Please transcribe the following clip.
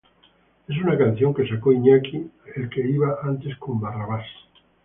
Es una canción que sacó Iñaki, el que iba antes con Barrabás.